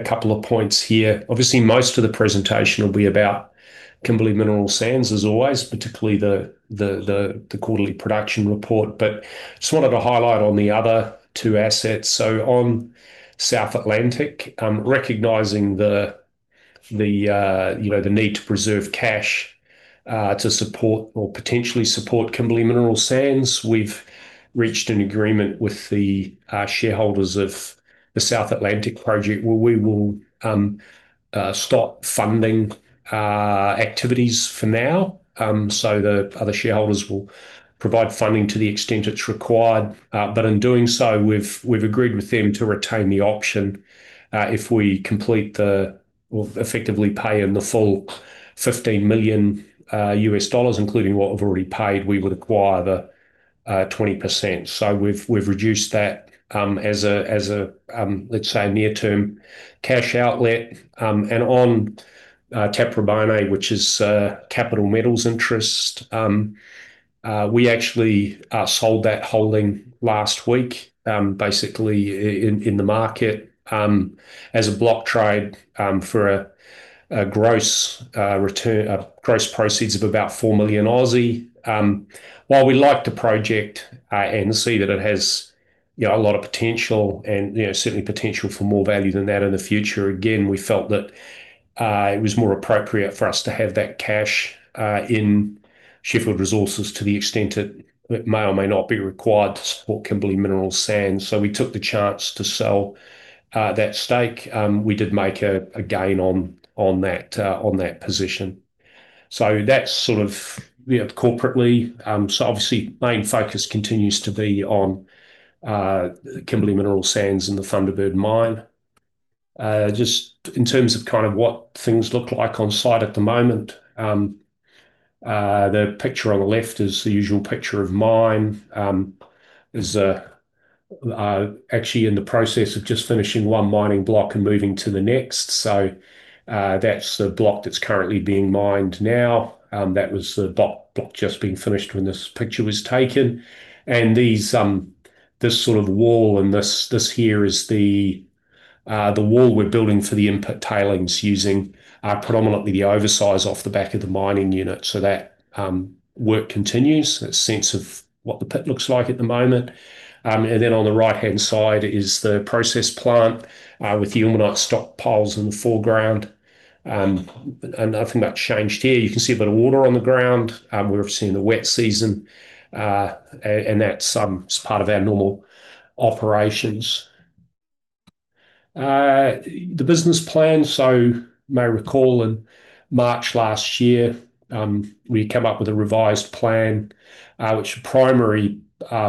A couple of points here. Obviously, most of the presentation will be about Kimberley Mineral Sands, as always, particularly the quarterly production report. But just wanted to highlight on the other two assets. So on South Atlantic, recognizing the need to preserve cash, you know, to support or potentially support Kimberley Mineral Sands, we've reached an agreement with the shareholders of the South Atlantic Project, where we will stop funding activities for now. So the other shareholders will provide funding to the extent it's required. But in doing so, we've agreed with them to retain the option. If we complete or effectively pay in the full $15 million, including what we've already paid, we would acquire the 20%. So we've reduced that, as a, let's say, near-term cash outlet. And on Taprobane, which is Capital Metals interest, we actually sold that holding last week, basically in the market, as a block trade, for gross proceeds of about 4 million. While we like the project and see that it has, you know, a lot of potential and, you know, certainly potential for more value than that in the future, again, we felt that it was more appropriate for us to have that cash in Sheffield Resources, to the extent it may or may not be required to support Kimberley Mineral Sands. So we took the chance to sell that stake. We did make a gain on that position. So that's sort of, yeah, corporately. So obviously, main focus continues to be on Kimberley Mineral Sands and the Thunderbird mine. Just in terms of kind of what things look like on site at the moment, the picture on the left is the usual picture of the mine. It is actually in the process of just finishing one mining block and moving to the next. So, that's the block that's currently being mined now. That was the block just being finished when this picture was taken. And these, this sort of wall and this here is the wall we're building for the in-pit tailings, using predominantly the oversize off the back of the mining unit. So that work continues. A sense of what the pit looks like at the moment. And then on the right-hand side is the process plant, with the ilmenite stockpiles in the foreground. And nothing much changed here. You can see a bit of water on the ground. We're obviously in the wet season, and that's part of our normal operations. The business plan, so you may recall, in March last year, we came up with a revised plan, which the primary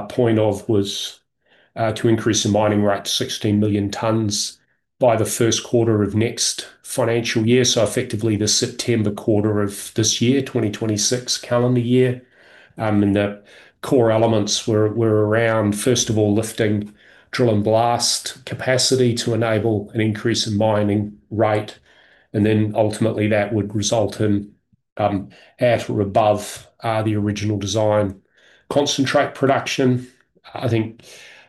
point of was to increase the mining rate to 16 million tonnes by the first quarter of next financial year, so effectively the September quarter of this year, 2026 calendar year. And the core elements were around, first of all, lifting drill and blast capacity to enable an increase in mining rate, and then ultimately that would result in at or above the original design. Concentrate production. I think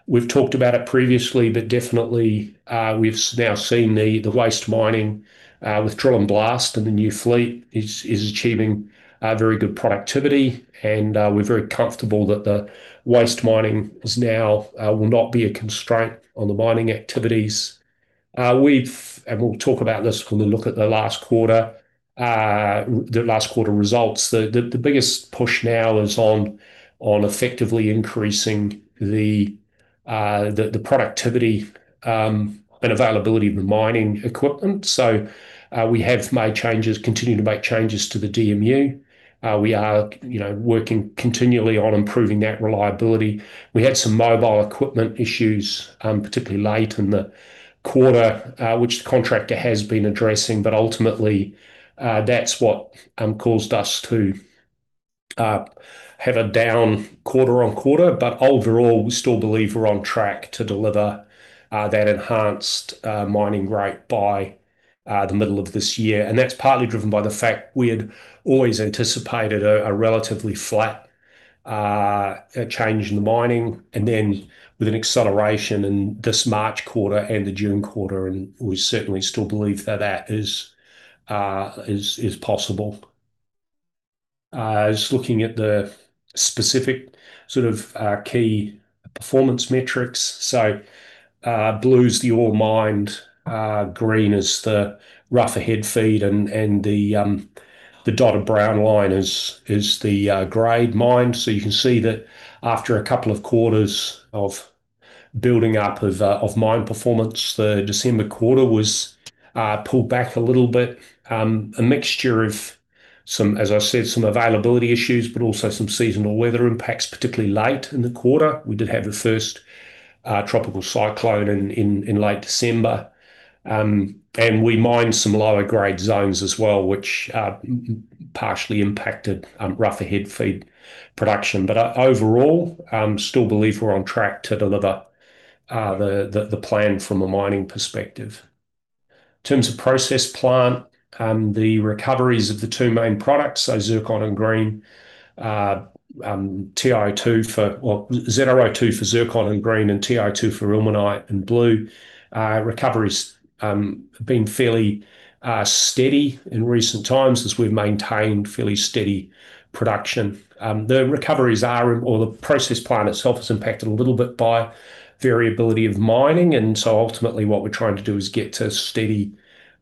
we've talked about it previously, but definitely, we've now seen the waste mining with drill and blast, and the new fleet is achieving very good productivity. And we're very comfortable that the waste mining is now will not be a constraint on the mining activities. We've and we'll talk about this when we look at the last quarter, the last quarter results. The biggest push now is on effectively increasing the productivity and availability of the mining equipment. So, we have made changes, continuing to make changes to the DMU. We are, you know, working continually on improving that reliability. We had some mobile equipment issues, particularly late in the quarter, which the contractor has been addressing, but ultimately, that's what caused us to have a down quarter-on-quarter. But overall, we still believe we're on track to deliver that enhanced mining rate by the middle of this year. And that's partly driven by the fact we had always anticipated a relatively flat change in the mining, and then with an acceleration in this March quarter and the June quarter, and we certainly still believe that that is possible. Just looking at the specific sort of key performance metrics. So, blue is the ore mined, green is the rougher head feed, and the dotted brown line is the grade mined. So you can see that after a couple of quarters of building up of mine performance, the December quarter was pulled back a little bit. A mixture of some, as I said, some availability issues, but also some seasonal weather impacts, particularly late in the quarter. We did have the first tropical cyclone in late December. And we mined some lower grade zones as well, which partially impacted rougher head feed production. But overall, still believe we're on track to deliver the plan from a mining perspective. In terms of process plant. The recoveries of the two main products, so zircon and green TiO2 for ZrO2 for zircon and green, and TiO2 for ilmenite and blue. Recovery's been fairly steady in recent times as we've maintained fairly steady production. The recoveries are, or the process plant itself is impacted a little bit by variability of mining, and so ultimately what we're trying to do is get to a steady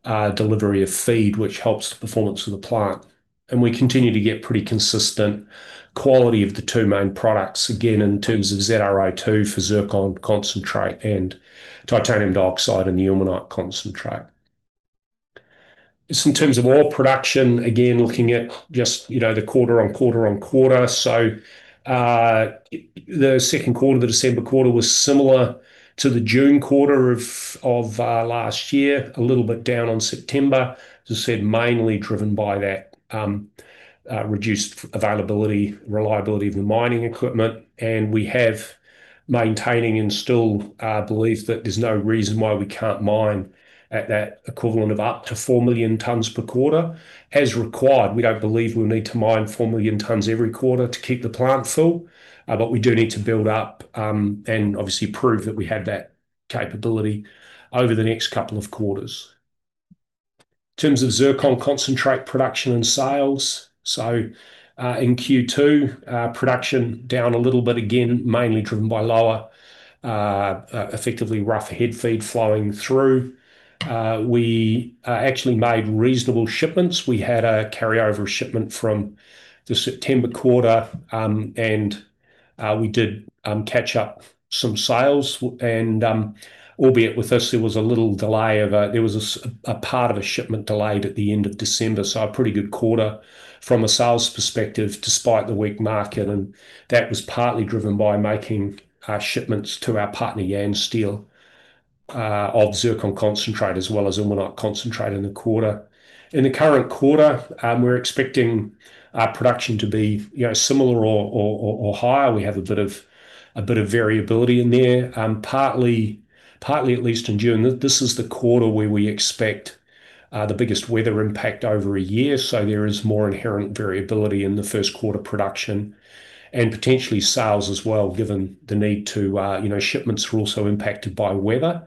delivery of feed, which helps the performance of the plant. We continue to get pretty consistent quality of the two main products, again, in terms of ZrO2 for zircon concentrate and titanium dioxide and the ilmenite concentrate. Just in terms of ore production, again, looking at just, you know, the quarter on quarter on quarter. So, the second quarter, the December quarter, was similar to the June quarter of last year. A little bit down on September. As I said, mainly driven by that reduced availability, reliability of the mining equipment. And we have maintaining and still believe that there's no reason why we can't mine at that equivalent of up to 4 million tonnes per quarter as required. We don't believe we'll need to mine 4 million tonnes every quarter to keep the plant full, but we do need to build up and obviously prove that we have that capability over the next couple of quarters. In terms of zircon concentrate production and sales, in Q2, production down a little bit, again, mainly driven by lower effectively rougher head feed flowing through. We actually made reasonable shipments. We had a carryover shipment from the September quarter, and we did catch up some sales and, albeit with this, there was a little delay of a part of a shipment delayed at the end of December, so a pretty good quarter from a sales perspective, despite the weak market, and that was partly driven by making shipments to our partner, Yansteel, of zircon concentrate as well as ilmenite concentrate in the quarter. In the current quarter, we're expecting our production to be, you know, similar or higher. We have a bit of variability in there, partly, at least in June. This is the quarter where we expect the biggest weather impact over a year, so there is more inherent variability in the first quarter production and potentially sales as well, given the need to, you know, shipments were also impacted by weather.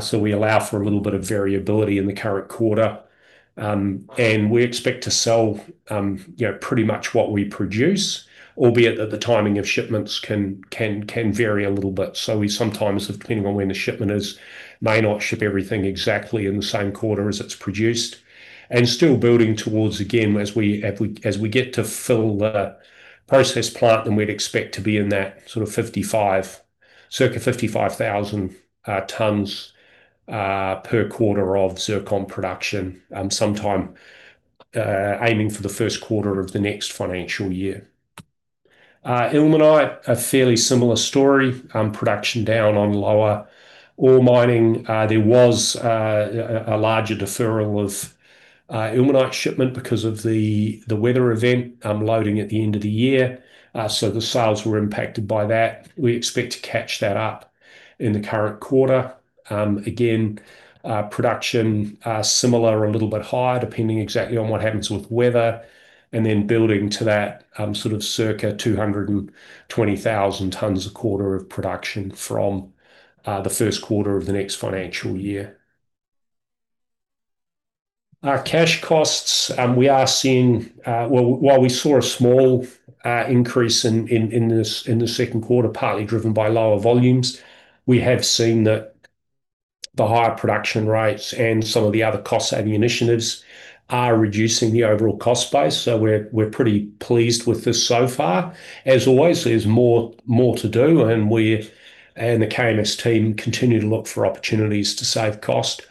So we allow for a little bit of variability in the current quarter. And we expect to sell, you know, pretty much what we produce, albeit that the timing of shipments can vary a little bit. So we sometimes, depending on when the shipment is, may not ship everything exactly in the same quarter as it's produced. Still building towards, again, as we get to fill the process plant, then we'd expect to be in that sort of 55, circa 55,000 tonnes per quarter of zircon production, sometime aiming for the first quarter of the next financial year. Ilmenite, a fairly similar story. Production down on lower ore mining. There was a larger deferral of ilmenite shipment because of the weather event, loading at the end of the year. So the sales were impacted by that. We expect to catch that up in the current quarter. Again, production similar or a little bit higher, depending exactly on what happens with weather, and then building to that, sort of circa 220,000 tonnes a quarter of production from the first quarter of the next financial year. Our cash costs, we are seeing, well, while we saw a small increase in the second quarter, partly driven by lower volumes, we have seen that the higher production rates and some of the other cost-saving initiatives are reducing the overall cost base, so we're pretty pleased with this so far. As always, there's more to do, and we and the KMS team continue to look for opportunities to save cost,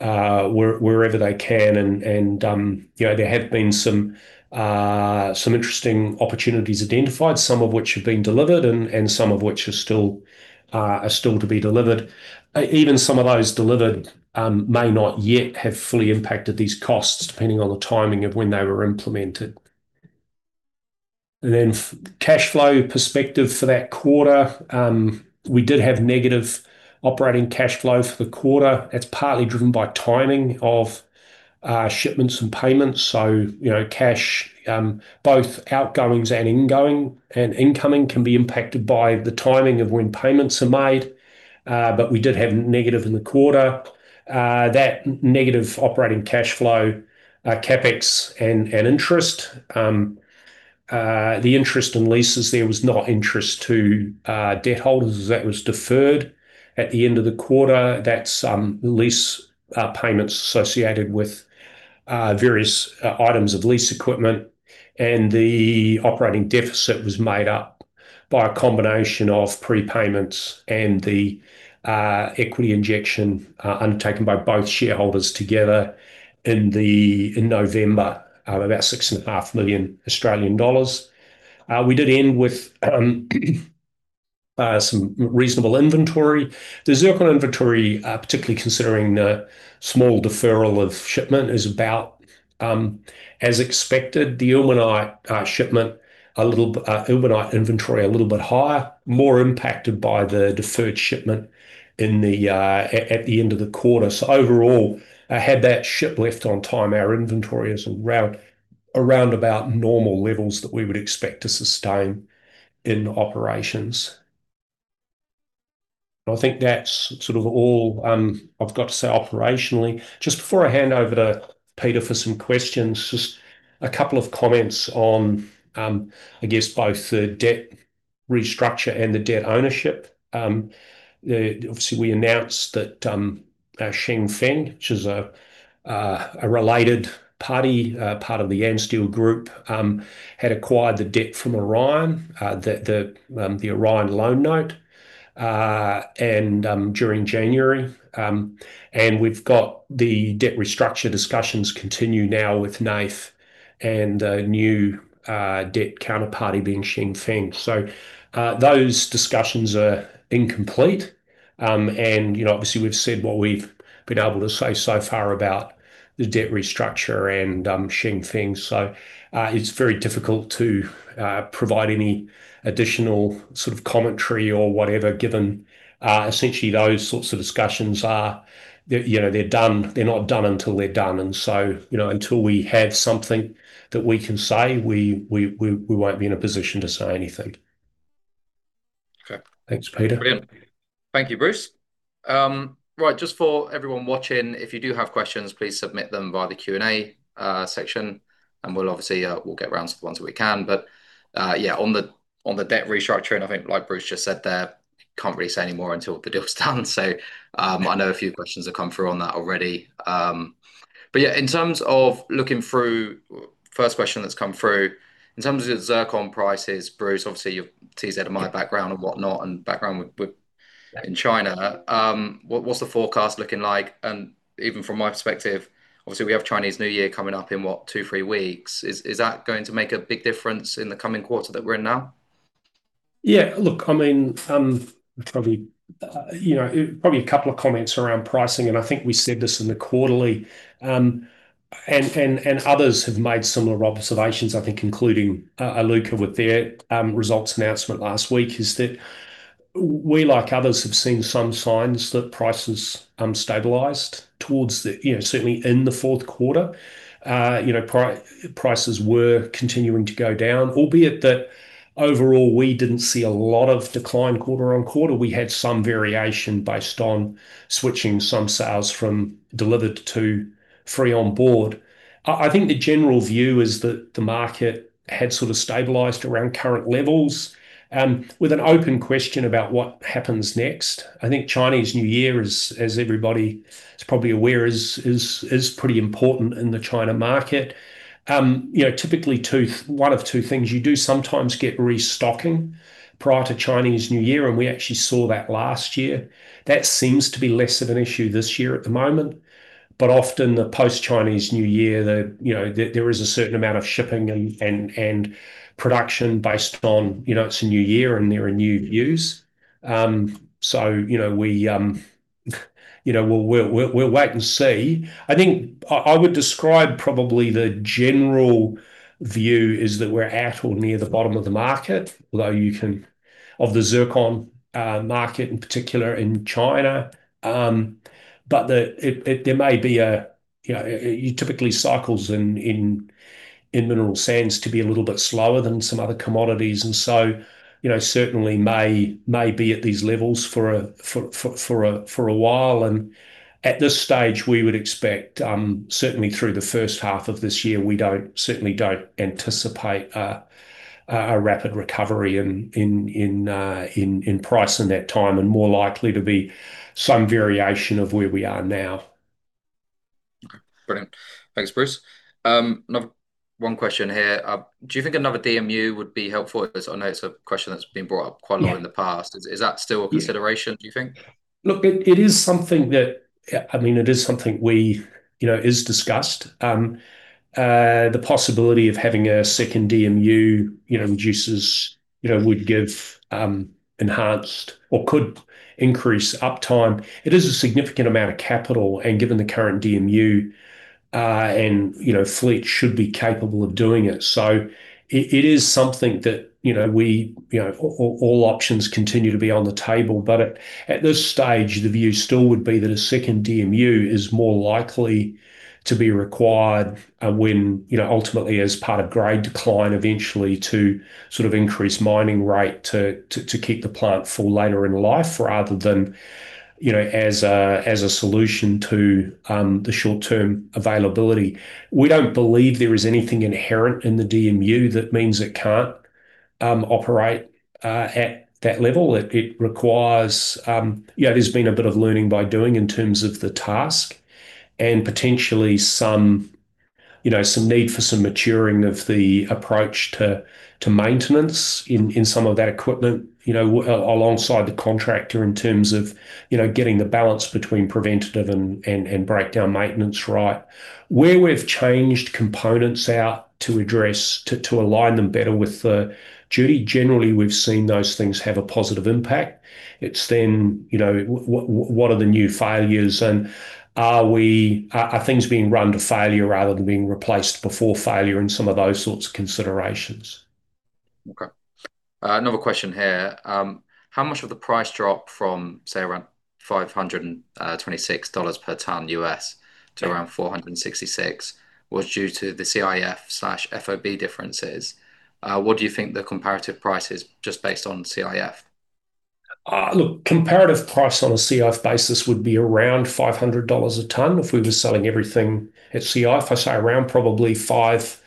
wherever they can. You know, there have been some interesting opportunities identified, some of which have been delivered and some of which are still to be delivered. Even some of those delivered may not yet have fully impacted these costs, depending on the timing of when they were implemented. Then cash flow perspective for that quarter, we did have negative operating cash flow for the quarter. That's partly driven by timing of shipments and payments. So, you know, cash, both outgoings and ingoing, and incoming can be impacted by the timing of when payments are made. But we did have negative in the quarter. That negative operating cash flow, CapEx and interest, the interest in leases, there was not interest to debt holders. That was deferred at the end of the quarter. That's lease payments associated with various items of lease equipment. And the operating deficit was made up by a combination of prepayments and the equity injection undertaken by both shareholders together in the, in November, about 6.5 million Australian dollars. We did end with some reasonable inventory. The zircon inventory, particularly considering the small deferral of shipment, is about, as expected. The ilmenite shipment, a little bit, ilmenite inventory a little bit higher, more impacted by the deferred shipment in the, at, at the end of the quarter. So overall, had that ship left on time, our inventory is around, around about normal levels that we would expect to sustain in operations. I think that's sort of all, I've got to say operationally. Just before I hand over to Peter for some questions, just a couple of comments on, I guess both the debt restructure and the debt ownership. Obviously, we announced that Shengfeng, which is a related party, part of the Yansteel Group, had acquired the debt from Orion. The Orion loan note. And during January, and we've got the debt restructure discussions continue now with NAIF and the new debt counterparty being Shengfeng. So, those discussions are incomplete. And, you know, obviously, we've said what we've been able to say so far about the debt restructure and Shengfeng. So, it's very difficult to provide any additional sort of commentary or whatever, given essentially those sorts of discussions are, they're, you know, they're done. They're not done until they're done, and so, you know, until we have something that we can say, we won't be in a position to say anything. Okay. Thanks, Peter. Brilliant. Thank you, Bruce. Right, just for everyone watching, if you do have questions, please submit them via the Q&A section, and we'll obviously get round to the ones that we can. But yeah, on the debt restructuring, I think like Bruce just said there, can't really say any more until the deal's done. So, I know a few questions have come through on that already. But yeah, in terms of looking through, first question that's come through, in terms of the zircon prices, Bruce, obviously, you've teased out of my background and whatnot, and background with in China. What's the forecast looking like? And even from my perspective, obviously, we have Chinese New Year coming up in, what, two, three weeks. Is that going to make a big difference in the coming quarter that we're in now? Yeah, look, I mean, probably a couple of comments around pricing, and I think we said this in the quarterly. And others have made similar observations, I think, including Iluka, with their results announcement last week, is that we, like others, have seen some signs that prices stabilized towards the you know, certainly in the fourth quarter. You know, prices were continuing to go down, albeit that overall, we didn't see a lot of decline quarter-on-quarter. We had some variation based on switching some sales from delivered to free onboard. I think the general view is that the market had sort of stabilized around current levels, with an open question about what happens next. I think Chinese New Year, as everybody is probably aware, is pretty important in the China market. You know, typically one of two things, you do sometimes get restocking prior to Chinese New Year, and we actually saw that last year. That seems to be less of an issue this year at the moment, but often the post-Chinese New Year, you know, there is a certain amount of shipping and production based on, you know, it's a new year, and there are new views. So, you know, we'll wait and see. I think I would describe probably the general view is that we're at or near the bottom of the market, although you can of the zircon market, in particular in China. But it. There may be a, you know, you typically cycles in mineral sands to be a little bit slower than some other commodities, and so, you know, certainly may be at these levels for a while. At this stage, we would expect certainly through the first half of this year, we certainly don't anticipate a rapid recovery in price in that time, and more likely to be some variation of where we are now. Okay. Brilliant. Thanks, Bruce. Another one question here. Do you think another DMU would be helpful? As I know, it's a question that's been brought up quite a lot in the past. Is that still a consideration, do you think? Look, it is something that yeah I mean, it is something we, you know, is discussed. The possibility of having a second DMU, you know, would give enhanced or could increase uptime. It is a significant amount of capital, and given the current DMU and, you know, fleet should be capable of doing it. So it is something that, you know, we, you know, all options continue to be on the table. But at this stage, the view still would be that a second DMU is more likely to be required when, you know, ultimately, as part of grade decline, eventually to sort of increase mining rate to keep the plant full later in life, rather than, you know, as a solution to the short-term availability. We don't believe there is anything inherent in the DMU that means it can't operate at that level. It requires. Yeah, there's been a bit of learning by doing in terms of the task and potentially some, you know, some need for some maturing of the approach to maintenance in some of that equipment, you know, alongside the contractor in terms of, you know, getting the balance between preventative and breakdown maintenance right. Where we've changed components out to address, to align them better with the duty, generally, we've seen those things have a positive impact. It's then, you know, what are the new failures, and are things being run to failure rather than being replaced before failure, and some of those sorts of considerations? Okay. Another question here, how much of the price drop from, say, around $526 per tonne USD to around $466 was due to the CIF/FOB differences? What do you think the comparative price is just based on CIF? Look, comparative price on a CIF basis would be around $500 a tonne if we were selling everything at CIF. I'd say around probably five,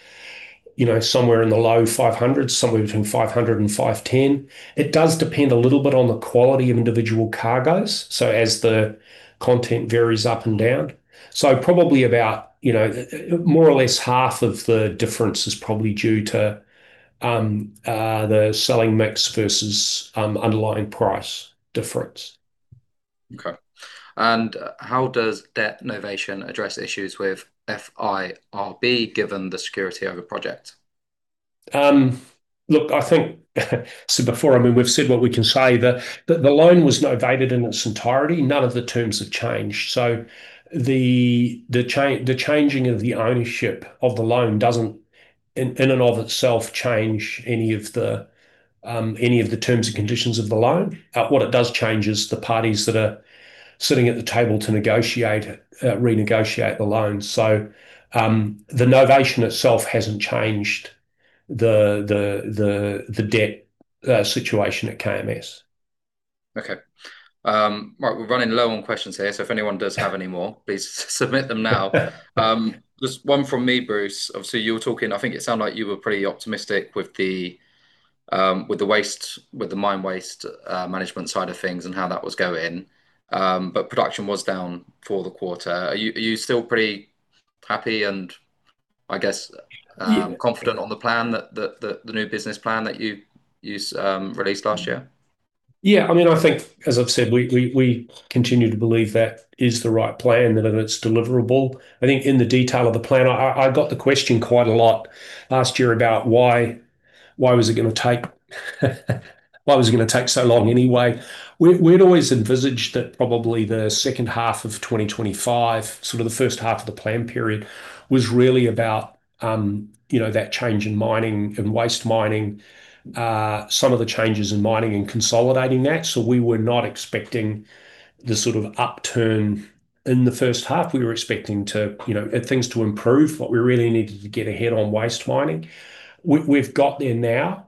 you know, somewhere in the low five hundreds, somewhere between $500 and $510. It does depend a little bit on the quality of individual cargoes, so as the content varies up and down. So probably about, you know, more or less half of the difference is probably due to the selling mix versus underlying price difference. Okay. How does debt novation address issues with FIRB, given the security of the project? Look, I think, so before, I mean, we've said what we can say, that the loan was novated in its entirety. None of the terms have changed. So the changing of the ownership of the loan doesn't in and of itself change any of the terms and conditions of the loan. What it does change is the parties that are sitting at the table to negotiate renegotiate the loan. So the novation itself hasn't changed the debt situation at KMS. Okay. Right, we're running low on questions here, so if anyone does have any more, please submit them now. Just one from me, Bruce. Obviously, you were talking, I think it sounded like you were pretty optimistic with the, with the waste, with the mine waste, management side of things and how that was going. But production was down for the quarter. Are you, are you still pretty happy and, I guess Yeah confident on the plan, the new business plan that you released last year? Yeah, I mean, I think, as I've said, we continue to believe that is the right plan and that it's deliverable. I think in the detail of the plan, I got the question quite a lot last year about why was it gonna take so long anyway? We'd always envisaged that probably the second half of 2025, sort of the first half of the plan period, was really about, you know, that change in mining, in waste mining, some of the changes in mining and consolidating that. So we were not expecting the sort of upturn in the first half. We were expecting to, you know, things to improve, but we really needed to get ahead on waste mining. We've got there now.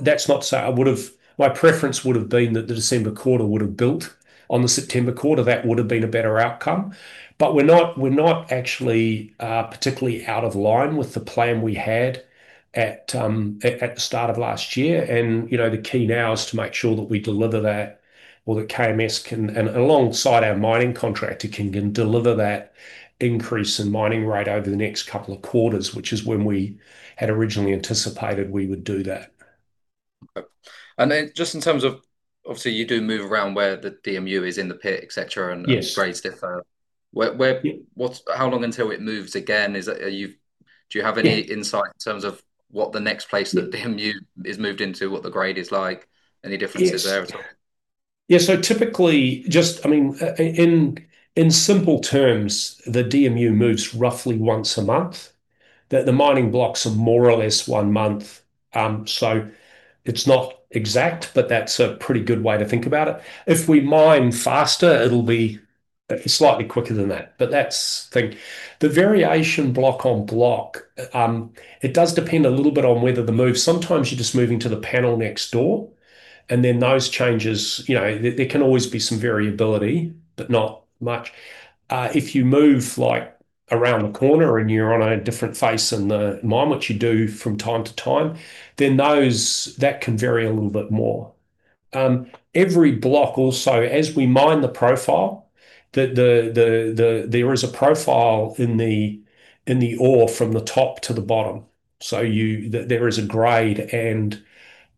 That's not to say I would've. My preference would've been that the December quarter would've built on the September quarter. That would've been a better outcome, but we're not, we're not actually particularly out of line with the plan we had at the start of last year. And, you know, the key now is to make sure that we deliver that, or that KMS can, and alongside our mining contractor, can deliver that increase in mining rate over the next couple of quarters, which is when we had originally anticipated we would do that. Okay. And then just in terms of, obviously, you do move around where the DMU is in the pit, et cetera Yes and grades differ. Where, what's- how long until it moves again? Are you, do you have Yeah any insight in terms of what the next place that DMU is moved into, what the grade is like? Any differences there at all? Yes. Yeah, so typically, just, I mean, in simple terms, the DMU moves roughly once a month, that the mining blocks are more or less one month. So it's not exact, but that's a pretty good way to think about it. If we mine faster, it'll be slightly quicker than that, but that's the thing. The variation block on block, it does depend a little bit on whether the move, sometimes you're just moving to the panel next door, and then those changes, you know, there can always be some variability, but not much. If you move, like, around the corner and you're on a different face in the mine, which you do from time to time, then those, that can vary a little bit more. Every block also, as we mine the profile, there is a profile in the ore from the top to the bottom. So there is a grade and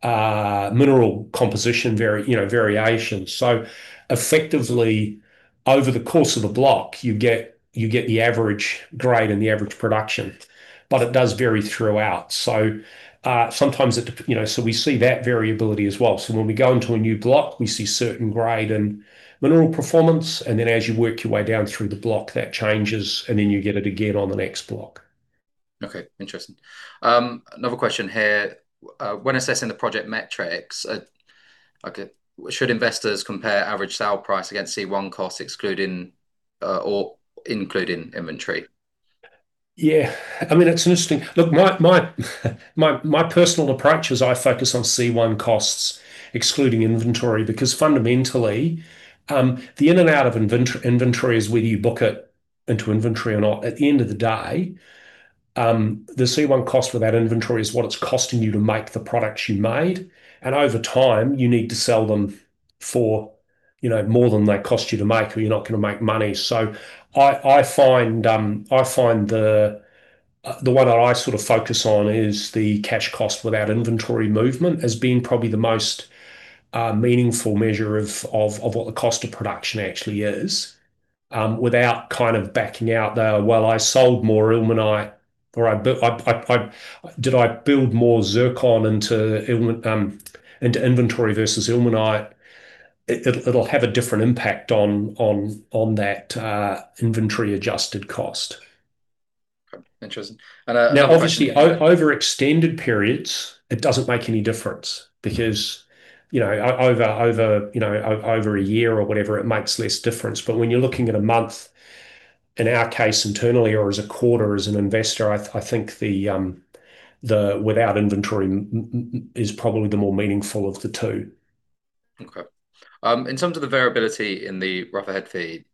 mineral composition vary, you know, variation. So effectively, over the course of a block, you get the average grade and the average production, but it does vary throughout. So sometimes you know, so we see that variability as well. So when we go into a new block, we see certain grade and mineral performance, and then as you work your way down through the block, that changes, and then you get it again on the next block. Okay. Interesting. Another question here. When assessing the project metrics, should investors compare average sale price against C1 costs, excluding or including inventory? Yeah, I mean, it's interesting. Look, my personal approach is I focus on C1 costs, excluding inventory, because fundamentally, the in and out of inventory is whether you book it into inventory or not. At the end of the day, the C1 cost without inventory is what it's costing you to make the products you made, and over time, you need to sell them for, you know, more than they cost you to make, or you're not gonna make money. So I find the one that I sort of focus on is the cash cost without inventory movement as being probably the most meaningful measure of what the cost of production actually is, without kind of backing out the, "Well, I sold more ilmenite," or I build Did I build more zircon into ilmenite into inventory versus ilmenite? It'll have a different impact on that inventory-adjusted cost. Interesting. And now Obviously, over extended periods, it doesn't make any difference because, you know, over a year or whatever, it makes less difference. But when you're looking at a month, in our case, internally or as a quarter as an investor, I think the without inventory is probably the more meaningful of the two. Okay. In terms of the variability in the rougher head feed,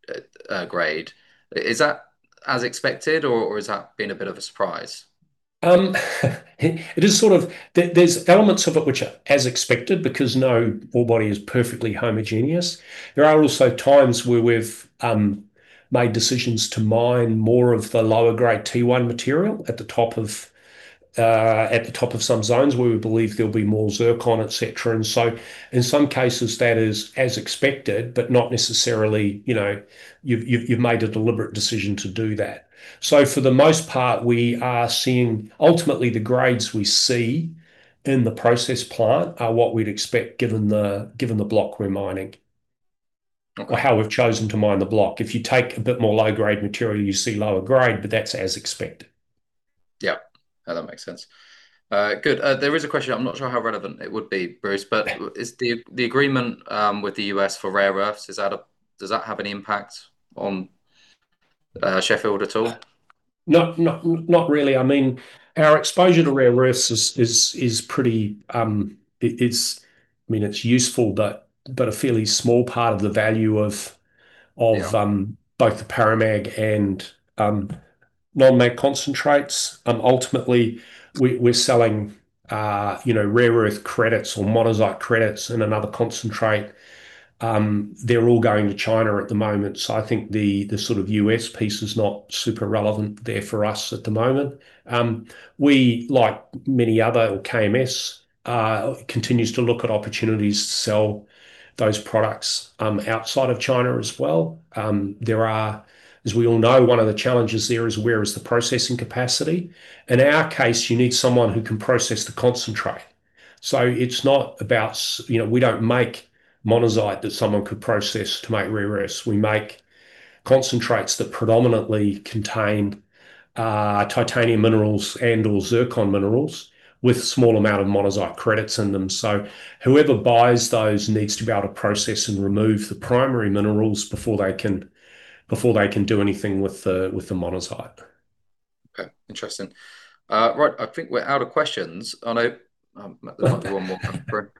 grade, is that as expected, or has that been a bit of a surprise? It is sort of. There are elements of it which are as expected because no ore body is perfectly homogeneous. There are also times where we've made decisions to mine more of the lower grade T1 material at the top of some zones where we believe there'll be more zircon, et cetera. And so in some cases, that is as expected, but not necessarily, you know, you've made a deliberate decision to do that. So for the most part, we are seeing. Ultimately, the grades we see in the process plant are what we'd expect given the block we're mining. Okay or how we've chosen to mine the block. If you take a bit more low-grade material, you see lower grade, but that's as expected. Yeah. That makes sense. There is a question. I'm not sure how relevant it would be, Bruce, but is the agreement with the U.S. for rare earths? Does that have any impact on Sheffield at all? Not really. I mean, our exposure to rare earths is pretty. I mean, it's useful, but a fairly small part of the value of both the paramag and non-mag concentrates. Ultimately, we're selling, you know, rare earth credits or monazite credits and another concentrate. They're all going to China at the moment, so I think the sort of U.S. piece is not super relevant there for us at the moment. We, like many other, or KMS continues to look at opportunities to sell those products outside of China as well. There are, as we all know, one of the challenges there is, where is the processing capacity? In our case, you need someone who can process the concentrate. So it's not about you know, we don't make monazite that someone could process to make rare earths. We make concentrates that predominantly contain titanium minerals and/or zircon minerals, with a small amount of monazite credits in them. Whoever buys those needs to be able to process and remove the primary minerals before they can, before they can do anything with the, with the monazite. Okay, interesting. Right. I think we're out of questions. There might be one more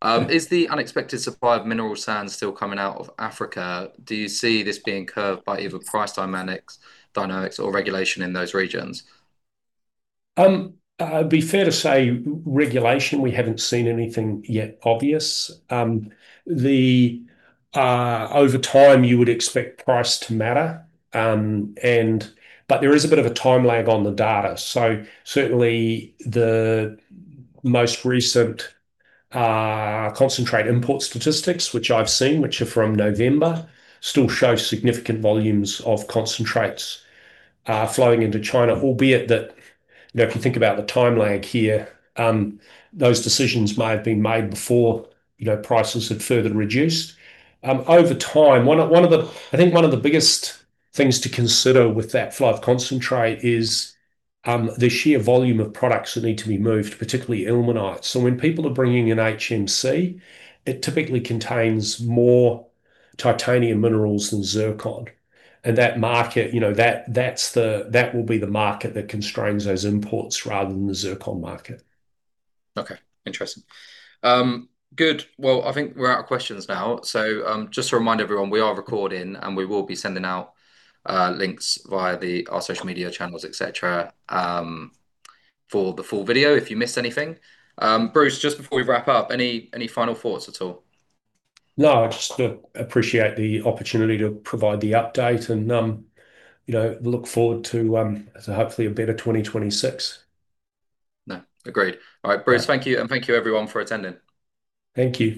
coming through. Is the unexpected supply of mineral sands still coming out of Africa? Do you see this being curbed by either price dynamics, dynamics or regulation in those regions? It'd be fair to say, regarding regulation, we haven't seen anything obvious yet. Over time, you would expect price to matter. But there is a bit of a time lag on the data. So certainly, the most recent concentrate import statistics, which I've seen, which are from November, still show significant volumes of concentrates flowing into China, albeit that. Now, if you think about the time lag here, those decisions may have been made before, you know, prices had further reduced. Over time, I think one of the biggest things to consider with that flow of concentrate is the sheer volume of products that need to be moved, particularly ilmenite. So when people are bringing in HMC, it typically contains more titanium minerals than zircon. That market, you know, that will be the market that constrains those imports rather than the zircon market. Okay. Interesting. Good. Well, I think we're out of questions now. So, just to remind everyone, we are recording, and we will be sending out links via our social media channels, et cetera, for the full video, if you missed anything. Bruce, just before we wrap up, any final thoughts at all? No, I just appreciate the opportunity to provide the update and, you know, look forward to to hopefully a better 2026. No, agreed. All right. Bruce, thank you, and thank you everyone for attending. Thank you.